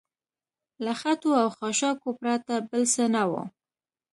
له خټو او خاشاکو پرته بل څه نه و.